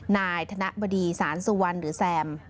นายธนบดีสารสุวรรณหรือแซม